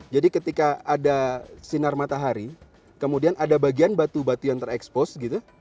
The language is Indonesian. jadi ketika ada sinar matahari kemudian ada bagian batu batu yang terekspos gitu